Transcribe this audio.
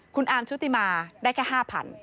คุณอาร์มชุติมาได้แค่๕๐๐บาท